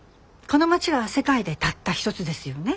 この町は世界でたったひとつですよね。